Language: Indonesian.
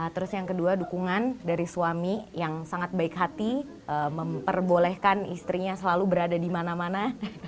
terus yang kedua dukungan dari suami yang sangat baik hati memperbolehkan istrinya selalu berada di mana mana